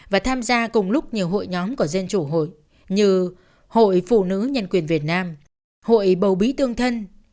và tham gia cùng lúc nhiều hội nhóm của dân chủ hội như hội phụ nữ nhân quyền việt nam hội bầu bí tương thân